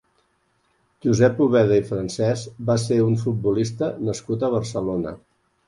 Josep Ubeda i Francés va ser un futbolista nascut a Barcelona.